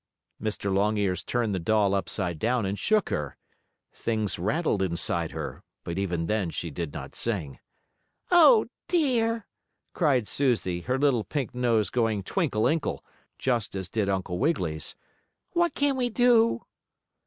Mr. Longears turned the doll upside down and shook her. Things rattled inside her, but even then she did not sing. "Oh, dear!" cried Susie, her little pink nose going twinkle inkle, just as did Uncle Wiggily's. "What can we do?"